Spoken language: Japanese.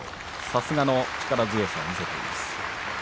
さすがの力強さを見せています。